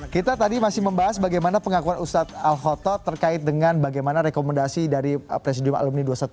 kita tadi masih membahas bagaimana pengakuan ustadz al khotod terkait dengan bagaimana rekomendasi dari presidium alumni dua ratus dua belas